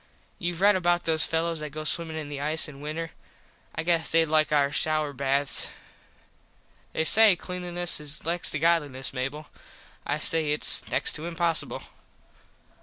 Youve red about those fellos that go swimmin in the ice in winter. I guess thed like our shouer baths. They say Cleanliness is next to Godliness, Mable. I say its next to impossible.